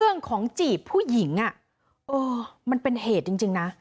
ของจีบผู้หญิงมันเป็นเหตุจริงนะ